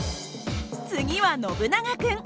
次はノブナガ君。